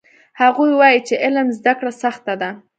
هغوی وایي چې علم زده کړه سخته ده